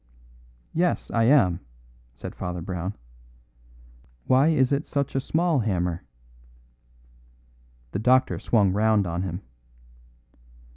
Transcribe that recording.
"Yes, I am," said Father Brown; "why is it such a small hammer?" The doctor swung round on him.